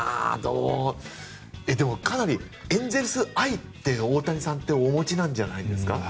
でも、かなりエンゼルス愛って大谷さんってお持ちなんじゃないですか。